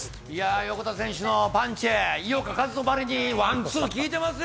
横田選手のパンチ、井岡一翔ばりにワン・ツー、効いてますよ。